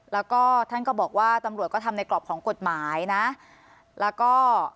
แล้วก็ท่านก็บอกว่าตำรวจก็ทำในกรอบของกฎหมายนะแล้วก็